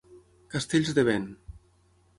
Castells de vent.